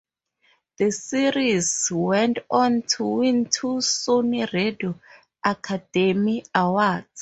The series went on to win two Sony Radio Academy Awards.